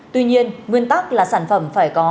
tuy nhiên nguyên tắc là sản phẩm phải có